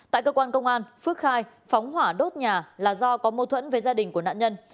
tại công an tp hcm phước khai phóng hỏa đốt nhà là do có mâu thuẫn với gia đình của nạn nhân